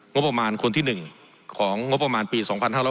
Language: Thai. งบประมาณคนที่๑ของงบประมาณปี๒๕๖๐